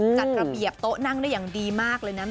จัดระเบียบโต๊ะนั่งได้อย่างดีมากเลยนะ